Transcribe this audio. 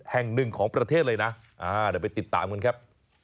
แห่งหนึ่งของประเทศเลยนะเดี๋ยวไปติดตามกันครับ